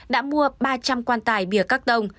đã mua ba trăm linh quan tài bìa cắt tông